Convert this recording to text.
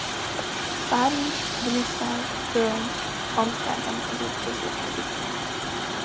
Párizs–Brüsszel–Köln–Amszterdam között közlekedik.